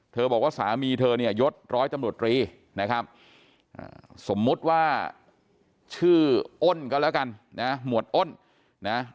บอกว่าสามีเธอเนี่ยยดร้อยตำรวจรีนะครับสมมุติว่าชื่ออ้นก็แล้วกันนะหมวดอ้นนะ